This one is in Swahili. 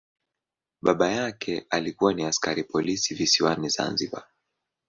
Baba yake alikuwa ni askari polisi visiwani Zanzibar.